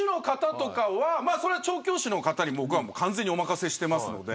僕は、調教師の方に完全にお任せしています。